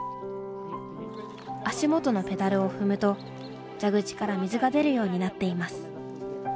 足元のペダルを踏むと蛇口から水が出るようになっています。